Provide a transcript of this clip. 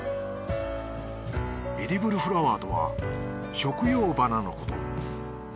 エディブルフラワーとは食用花のこと。